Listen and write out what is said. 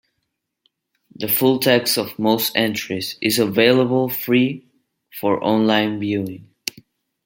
The full text of most entries is available free for on-line viewing.